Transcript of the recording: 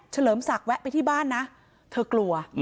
เลิมศักดิ์แวะไปที่บ้านนะเธอกลัว